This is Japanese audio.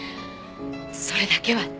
それだけは嫌！